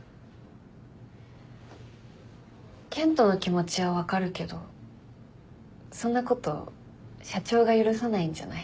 健人の気持ちは分かるけどそんなこと社長が許さないんじゃない？